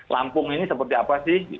lampung ini seperti apa sih